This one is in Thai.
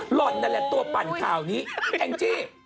หล่อนนั่นแหละตัวปั่นข่าวนี้แองจี้